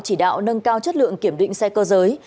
chỉ đạo nâng cao chất lượng kiểm định xe cơ giới